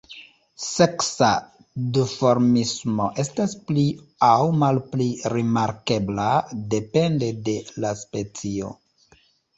Seksa duformismo estas pli aŭ malpli rimarkebla depende de la specio.